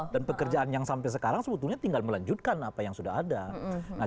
dan pekerjaan yang sampai sekarang sebetulnya tinggal melanjutkan apa yang sudah ada